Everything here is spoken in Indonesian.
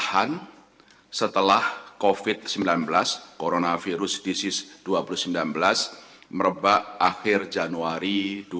proses pemulihan ekonomi global tertahan setelah covid sembilan belas merebak akhir januari dua ribu dua puluh